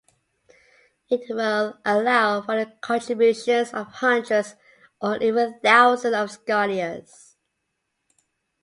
It will allow for the contributions of hundreds or even thousands of scholars